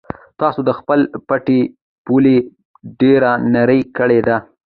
تاسو د خپل پټي پوله ډېره نرۍ کړې ده.